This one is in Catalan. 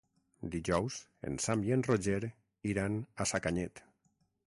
Dijous en Sam i en Roger iran a Sacanyet.